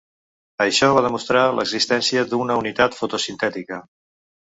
Això va demostrar l'existència d'una unitat fotosintètica.